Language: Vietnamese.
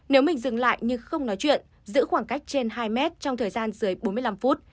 nếu mình dừng lại nhưng không nói chuyện giữ khoảng cách trên hai mét trong thời gian dưới bốn mươi năm phút